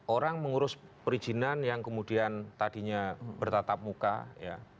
orang mengurus perizinan yang kemudian tadinya bertatap muka ya